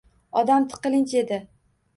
Odam tiqilinch edi